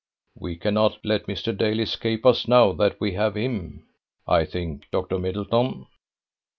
"We cannot let Mr. Dale escape us now that we have him, I think, Dr. Middleton."